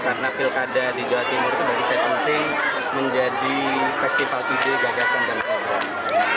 karena pilkada di jawa timur itu bagi saya penting menjadi festival ide gagasan dan program